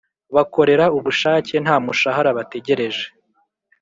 Bakorera ubushake nta mushahara bategereje